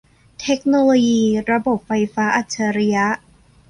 เทคโนโลยีระบบไฟฟ้าอัจฉริยะ